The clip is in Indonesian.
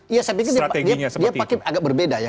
iya saya pikir dia pakai agak berbeda ya